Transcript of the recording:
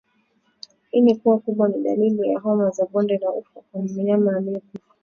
Ini kuwa kubwa ni dalili za homa ya bonde la ufa kwa mnyama aliyekufa